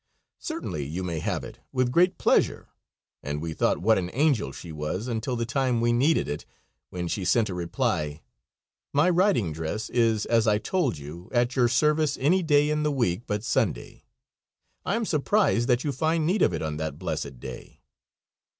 "Certainly you may have it, with great pleasure," and we thought what an angel she was until the time we needed it, when she sent a reply: "My riding dress is, as I told you, at your service any day in the week but Sunday. I am surprised that you find need of it on that blessed day."